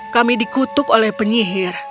kami dikutuk oleh penyihir